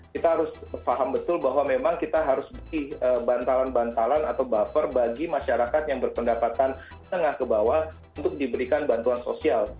kita harus paham betul bahwa memang kita harus beli bantalan bantalan atau buffer bagi masyarakat yang berpendapatan tengah ke bawah untuk diberikan bantuan sosial